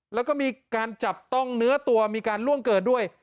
แล้วก็มีการจับต้องเนื้อตัวมีการล่วงเกินด้วย